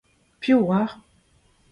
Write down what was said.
Piv 'oar ?